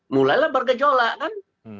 mulailah bergejolak kan